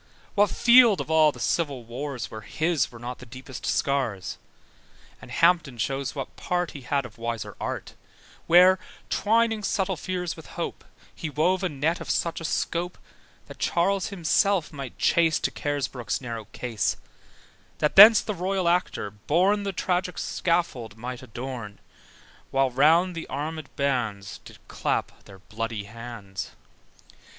What field of all the Civil Wars, Where his were not the deepest scars? And Hampton shows what part He had of wiser art, Where, twining subtle fears with hope, He wove a net of such a scope, That Charles himself might chase To Carisbrooke's narrow case: That then the royal actor born The tragic scaffold might adorn: While round the armèd bands Did clap their bloody hands.